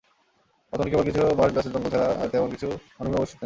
বর্তমানে কেবল কিছু বার্চ গাছের জঙ্গল ছাড়া আর তেমন কিছু বনভূমি অবশিষ্ট নেই।